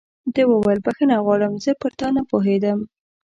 ده وویل: بخښنه غواړم، زه پر تا نه پوهېدم.